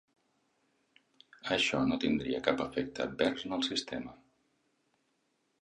Això no tindria cap efecte advers en el sistema.